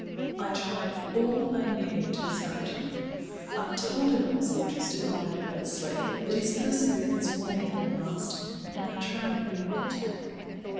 I tried all I knew to discourage him. I told him I wasn't interested and wanted to go to sleep; but his perseverance wore me out at last, and I tried another tack.